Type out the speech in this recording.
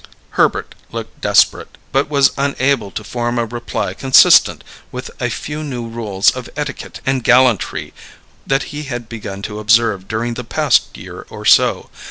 Herbert looked desperate, but was unable to form a reply consistent with a few new rules of etiquette and gallantry that he had begun to observe during the past year or so.